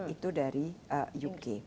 itu dari uk